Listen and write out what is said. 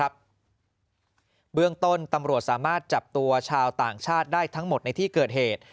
เบื้องต้นตำรวจสามารถจับตัวชาวต่างชาติได้ทั้งหมดในที่เกิดเหตุ